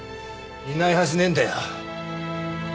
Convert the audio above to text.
いないはずねえんだよ。